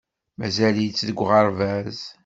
Mazal-itt deg uɣerbaz.